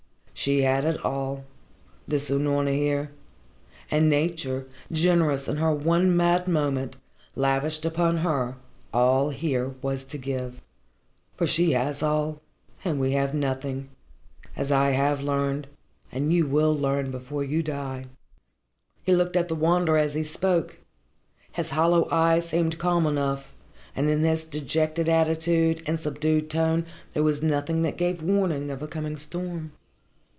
She had it all, this Unorna here, and Nature, generous in one mad moment, lavished upon her all there was to give. For she has all, and we have nothing, as I have learned and you will learn before you die." He looked at the Wanderer as he spoke. His hollow eyes seemed calm enough, and in his dejected attitude and subdued tone there was nothing that gave warning of a coming storm.